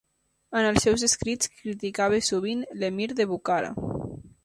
En els seus escrits criticava sovint l'emir de Bukhara.